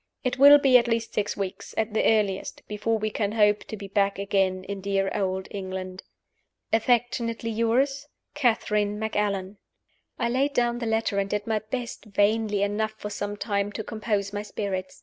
It will be at least six weeks, at the earliest, before we can hope to be back again in dear Old England. "Affectionately yours, "CATHERINE MACALLAN." I laid down the letter, and did my best (vainly enough for some time) to compose my spirits.